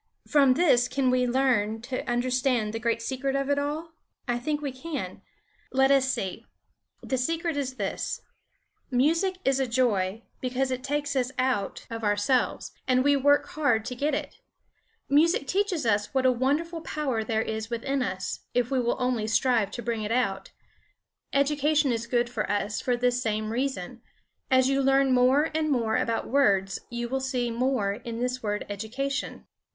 From this can we learn to understand the great secret of it all? I think we can. Let us see! The secret is this: Music is a joy because it takes us out of ourselves and we work hard to get it. Music teaches us what a wonderful power there is within us, if we will only strive to bring it out. Education is good for us for this same reason. As you learn more and more about words, you will see more in this word Education.